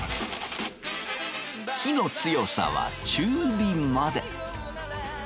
火の強さは中火まで。